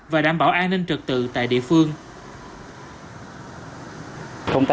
và đảm bảo an ninh trực tự tại địa phương